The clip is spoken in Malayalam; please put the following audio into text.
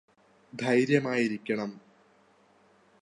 ധൈര്യമായിരിക്കണം